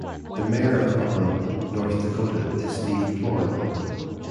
The Mayor of Upham, North Dakota is Steve Plorin.